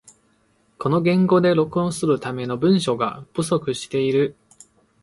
この言語で録音するための文章が不足している